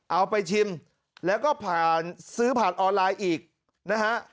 เอาไปชิมแล้วก็ผ่านซื้อผ่านออนไลน์อีกนะฮะ